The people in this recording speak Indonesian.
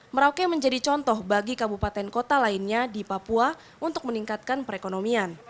merauke menjadi contoh bagi kabupaten kota lainnya di papua untuk meningkatkan perekonomian